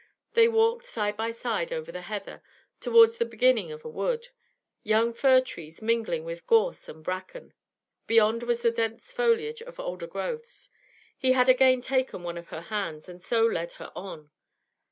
They walked side by side over the heather, towards the beginning of a wood, young fir trees mingling with gorse and bracken. Beyond was the dense foliage of older growths. He had again taken one of her hands, and so led her on.